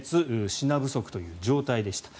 品不足という状態でした。